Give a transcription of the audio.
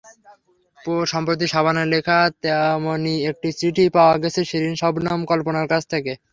সম্প্রতি শাবানার লেখা তেমনি একটি চিঠি পাওয়া গেছে শিরিন শবনম কল্পনার কাছ থেকে।